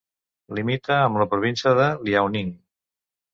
Limita amb la província de Liaoning.